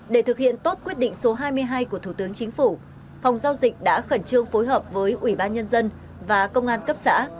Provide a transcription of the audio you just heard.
để thực hiện tốt quyết định số hai mươi hai của thủ tướng chính phủ phòng giao dịch đã khẩn trương phối hợp với ủy ban nhân dân và công an cấp xã